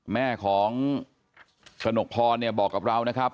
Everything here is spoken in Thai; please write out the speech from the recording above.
แม่ของสนุกพอบอกกับเรานะครับ